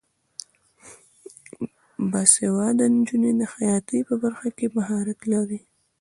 باسواده نجونې د خیاطۍ په برخه کې مهارت لري.